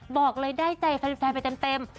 บอกเลยได้ใจแฟนไปเต็ม